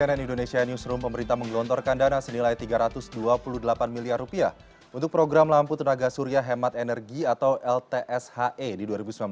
cnn indonesia newsroom pemerintah menggelontorkan dana senilai rp tiga ratus dua puluh delapan miliar rupiah untuk program lampu tenaga surya hemat energi atau ltshe di dua ribu sembilan belas